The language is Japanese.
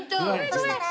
そしたら。